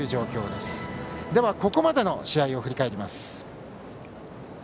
では、ここまでの試合を振り返ります。